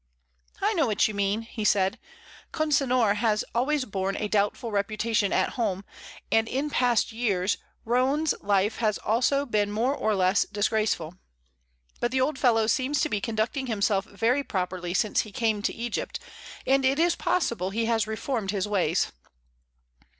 "I know what you mean," he said. "Consinor has always borne a doubtful reputation at home, and in past years Roane's life has also been more or less disgraceful. But the old fellow seems to be conducting himself very properly since he came to Egypt, and it is possible he has reformed his ways."